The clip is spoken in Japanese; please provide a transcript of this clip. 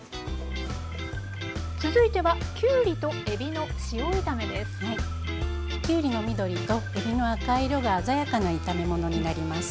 続いてはきゅうりの緑とえびの赤い色が鮮やかな炒め物になります。